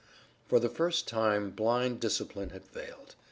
For the first time blind discipline had failed.